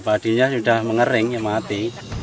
padinya sudah mengering mati